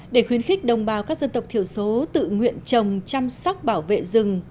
để khuyến khích đồng bào các dân tộc thiểu số tự nguyện trồng chăm sóc bảo vệ rừng